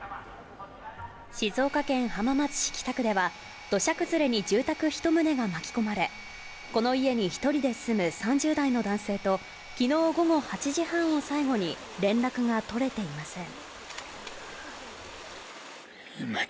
静岡県浜松市北区では土砂崩れに住宅１棟が巻き込まれ、この家に１人で住む３０代の男性と昨日午後８時半を最後に連絡が取れていません。